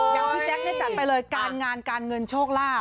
อย่างพี่แจ๊คจัดไปเลยการงานการเงินโชคลาภ